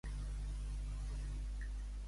És l'únic escrit en què s'enalteix la seva figura?